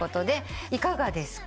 いかがですか？